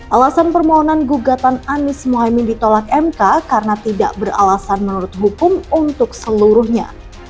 alasan permohonan gugatan anies mohaimin ditolak mk karena tidak beralasan menurut hukum untuk seluruhnya